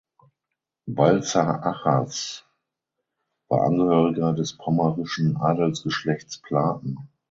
Balzer Achaz war Angehöriger des pommerschen Adelsgeschlechts Platen.